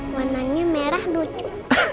warnanya merah lucu